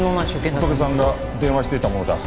ホトケさんが電話してたものだ。